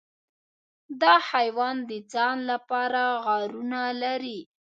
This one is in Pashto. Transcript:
دا حیوان د ځان لپاره غارونه لري.